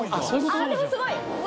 あでもすごい！